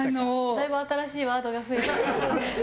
だいぶ新しいワードが増えておりましたね。